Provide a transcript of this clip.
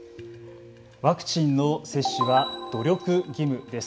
ワクチンの接種は努力義務です。